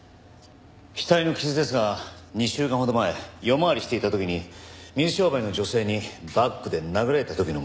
額の傷ですが２週間ほど前夜回りしていた時に水商売の女性にバッグで殴られた時のものだと。